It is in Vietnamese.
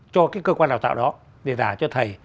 cho cái cơ quan đào tạo đó để giả cho thầy